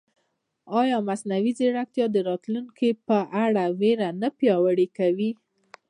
ایا مصنوعي ځیرکتیا د راتلونکي په اړه وېره نه پیاوړې کوي؟